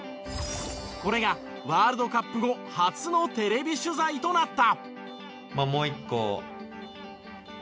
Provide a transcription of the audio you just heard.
これがワールドカップ後初のテレビ取材となった。